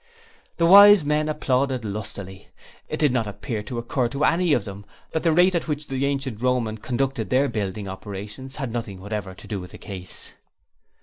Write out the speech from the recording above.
The Wise Men applauded lustily. It did not appear to occur to any of them that the rate at which the ancient Roman conducted their building operations had nothing whatever to do with the case.